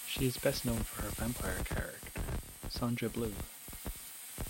She is best known for her vampire character, Sonja Blue.